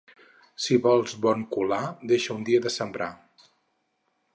Si vols bon colar, deixa un dia de sembrar.